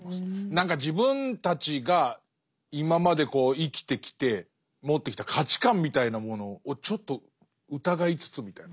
何か自分たちが今まで生きてきて持ってきた価値観みたいなものをちょっと疑いつつみたいな。